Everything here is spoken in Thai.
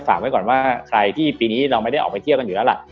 ฝากไว้ก่อนว่าใครที่ปีนี้เราไม่ได้ออกไปเที่ยวกันอยู่แล้วล่ะ